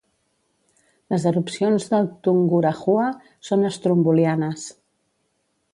Les erupcions del Tungurahua són estrombolianes.